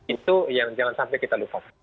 itu yang jalan sampel kita lupa